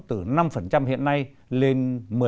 từ năm hiện nay lên một mươi